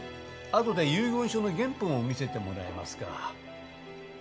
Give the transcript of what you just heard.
後で遺言書の原本を見せてもらえますか？